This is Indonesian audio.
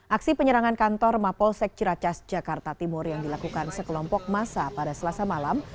aksi penyerangan kantor mapolsek ciracas jakarta timur yang dilakukan sekelompok masa pada selasa malam